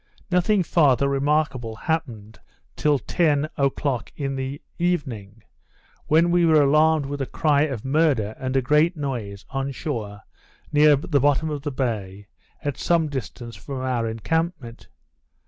Nothing farther remarkable happened till ten o'clock in the evening, when we were alarmed with the cry of murder, and a great noise, on shore, near the bottom of the bay, at some distance from our encampment.